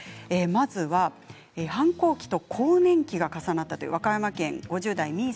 まずは反抗期と更年期が重なったという和歌山県５０代の方。